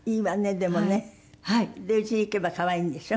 で家へ行けば可愛いんでしょ？